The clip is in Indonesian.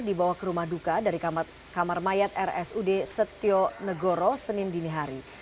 dibawa ke rumah duka dari kamar mayat rsud setio negoro senin dinihari